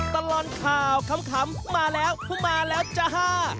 ตลอดข่าวขำมาแล้วมาแล้วจ้าฮ่า